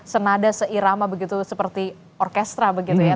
senada seirama begitu seperti orkestra begitu ya